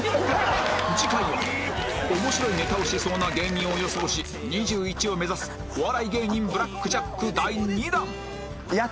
次回は面白いネタをしそうな芸人を予想し２１を目指すお笑い芸人ブラックジャック第２弾